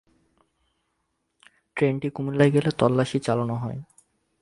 ট্রেনটি কুমিল্লায় গেলে তল্লাশি চালানো হয়।